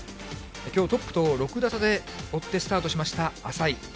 きょう、トップと６打差で追ってスタートしました淺井。